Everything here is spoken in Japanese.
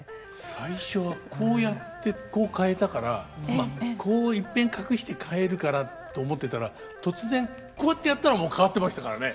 最初はこうやってこう変えたからまあこういっぺん隠して変えるからと思ってたら突然こうってやったらもう変わってましたからね。